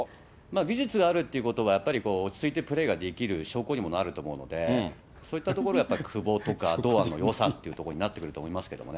技術があるっていうことは、やっぱり落ち着いてプレーができる証拠にもなると思うので、そういったところはやっぱり久保とか、堂安のあとはよさっていうところになってくると思いますよね。